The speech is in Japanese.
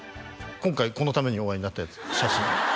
今回このためにお会いになった写真？